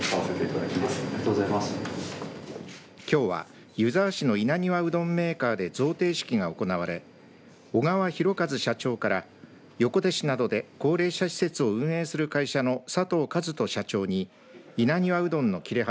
きょうは湯沢市の稲庭うどんメーカーで贈呈式が行われ小川博和社長から横手市などで高齢者施設を運営する会社の佐藤一人社長に稲庭うどんの切れ端